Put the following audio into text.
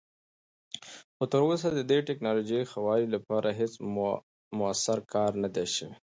خو تراوسه د دې تکنالوژۍ ښه والي لپاره هیڅ مؤثر کار نه دی شوی.